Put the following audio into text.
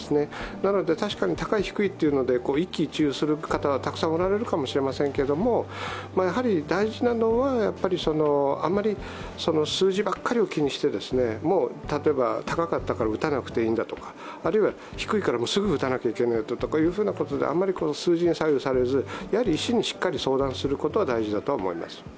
なので確かに高い低いというので一喜一憂される方はたくさんいるかもしれませんが、大事なのはあんまり数字ばっかりを気にして例えば高かったから打たなくいいとか、低いからすぐ打たなきゃいけないとか、あまり数字に左右されず、医師にしっかり相談することが大事だと思います。